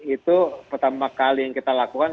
itu pertama kali yang kita lakukan